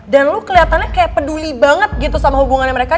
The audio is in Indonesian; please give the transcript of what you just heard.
dan lo kelihatannya kayak peduli banget gitu sama hubungannya mereka